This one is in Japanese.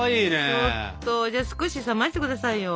ちょっとじゃあ少し冷まして下さいよ。